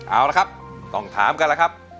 เอาละครับต้องถามกันแล้วครับ